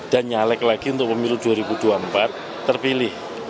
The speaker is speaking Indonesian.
dan nyalek lagi untuk pemilu dua ribu dua puluh empat terpilih